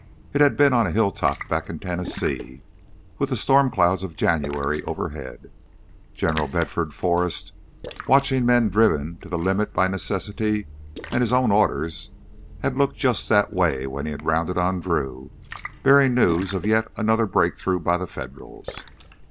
It had been on a hilltop back in Tennessee, with the storm clouds of January overhead. General Bedford Forrest, watching men driven to the limit by necessity and his own orders, had looked just that way when he had rounded on Drew, bearing news of yet another break through by the Federals.